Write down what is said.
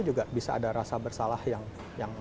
juga bisa ada rasa bersalah yang